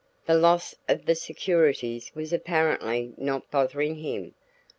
The loss of the securities was apparently not bothering him.